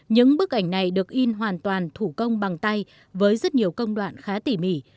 những bức ảnh này được in hoàn toàn thủ công bằng tay với rất nhiều công đoạn khá tỉ mỉ